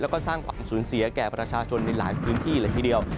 แล้วก็สร้างความสูญเสียแก่ประชาชนในหลายพื้นที่เลยทีเดียว